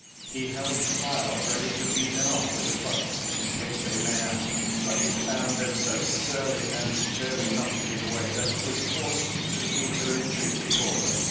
He held his firelock ready to beat them off with the butt in case they made at him, but he foimd them so surly and determined not to give way, that he was forced to beat a retreat before them.